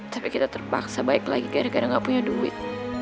tapi kita terpaksa baik lagi gara gara gak punya duit